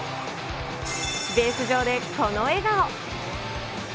ベース上でこの笑顔。